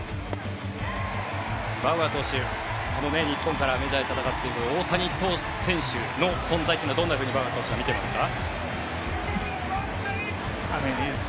バウアー投手、日本からメジャーで戦っている大谷選手の存在というのはどんなふうにバウアー投手は見ていますか？